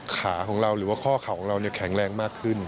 ขาของเราหรือว่าข้อเข่าของเราแข็งแรงมากขึ้น